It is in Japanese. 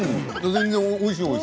全然おいしい。